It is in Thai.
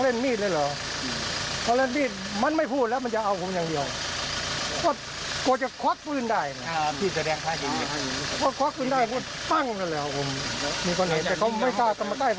แต่เขาไม่ชาติต่อมาได้เพราะผมเล่นปืนมา